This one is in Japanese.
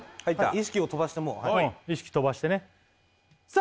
意識を飛ばしてもう意識飛ばしてねさあ